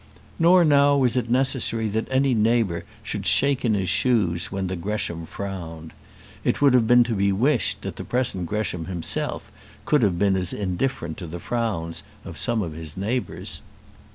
Nor now was it necessary that any neighbour should shake in his shoes when the Gresham frowned. It would have been to be wished that the present Gresham himself could have been as indifferent to the frowns of some of his neighbours.